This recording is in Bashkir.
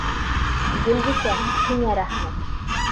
Гөлбикә, һиңә рәхмәт.